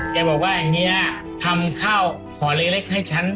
แกบอกว่าเฮียทำข้าวห่อเล็กให้ฉัน